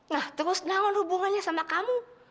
nah terus namun hubungannya sama kamu